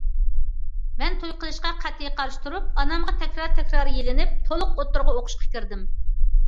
مەن توي قىلىشقا قەتئىي قارشى تۇرۇپ، ئانامغا تەكرار- تەكرار يېلىنىپ تولۇق ئوتتۇرىغا ئوقۇشقا كىردىم.